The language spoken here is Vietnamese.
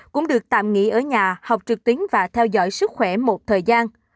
cũng được tạm nghỉ ở nhà học trực tuyến và theo dõi sức khỏe một thời gian